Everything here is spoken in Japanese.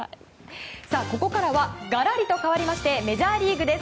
ここからはがらりと変わりましてメジャーリーグです。